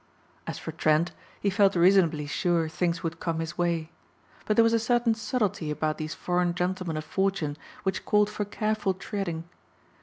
As for Trent, he felt reasonably sure things would come his way. But there was a certain subtlety about these foreign gentlemen of fortune which called for careful treading.